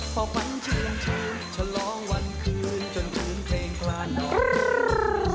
พอฝันเชื่อนเชื่อชะลองวันคืนจนลืมเพลงกลางนอน